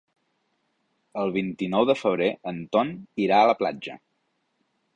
El vint-i-nou de febrer en Ton irà a la platja.